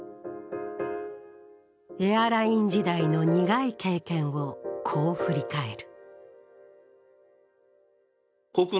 エアライン時代の苦い経験をこう、振り返る。